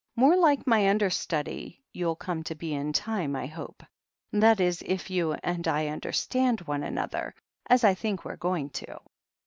More like my understudy you'll come to be in time, I hope. That is if you and I tmderstand one another, as I think we're going to."